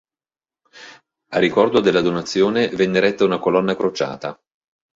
A ricordo della donazione venne eretta una colonna crociata.